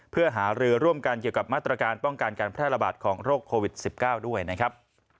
เพื่อหารือร่วมกันเกี่ยวกับมาตรการป้องกันการแพร่ระบาดของโรคโควิด๑๙ด้วยนะครับ